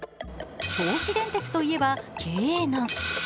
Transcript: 銚子電鉄といえば経営難。